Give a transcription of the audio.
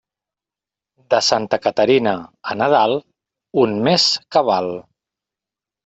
De Santa Caterina a Nadal, un mes cabal.